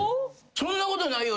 そんなことないよ。